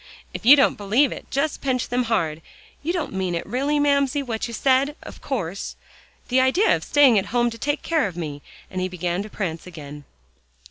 "If you don't believe it, just pinch them hard. You don't mean it really, Mamsie, what you said, of course. The idea of staying at home to take care of me," and he began to prance again.